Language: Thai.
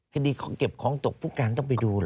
คดีเก็บของตกผู้การต้องไปดูเหรอ